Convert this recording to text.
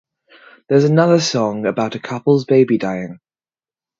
There's another song about a couple's baby dying.